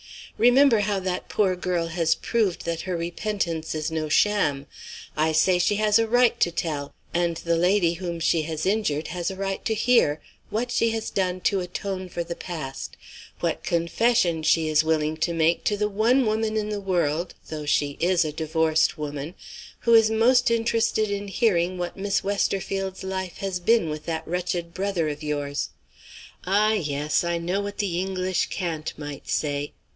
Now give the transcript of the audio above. Remember how that poor girl has proved that her repentance is no sham. I say, she has a right to tell, and the lady whom she has injured has a right to hear, what she has done to atone for the past, what confession she is willing to make to the one woman in the world (though she is a divorced woman) who is most interested in hearing what Miss Westerfield's life has been with that wretched brother of yours. Ah, yes, I know what the English cant might say.